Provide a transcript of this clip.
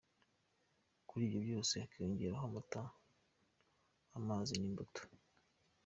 Kuri ibyo byose hakiyongeraho amata, amazi n’imbuto.